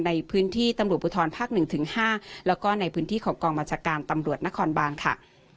ในพื้นที่ตำรวจภูทรภาค๑ถึง๕แล้วก็ในพื้นที่ของกองบัญชาการตำรวจนครบานค่ะ